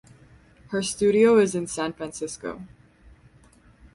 Her studio is in San Francisco.